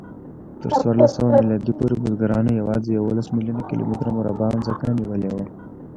تر څوارلسسوه میلادي پورې بزګرانو یواځې یوولس میلیونه کیلومتره مربع ځمکه نیولې وه.